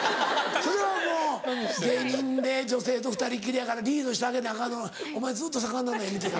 それはもう芸人で女性と２人きりやからリードしてあげなアカンのをお前ずっと魚の絵見てた？